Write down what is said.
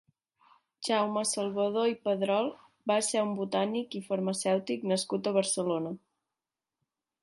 Jaume Salvador i Pedrol va ser un botànic i farmacèutic nascut a Barcelona.